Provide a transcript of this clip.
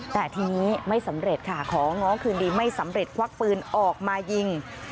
แต่ทีนี้ไม่สำเร็จค่ะของ้อคืนดีไม่สำเร็จควักปืนออกมายิง